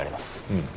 うん。